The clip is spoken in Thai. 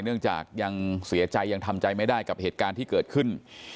เนื่องจากยังเสียใจยังทำใจไม่ได้กับเหตุการณ์ที่เกิดขึ้น